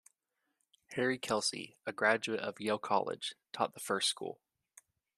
Harry Kelsey, a graduate of Yale College, taught the first school.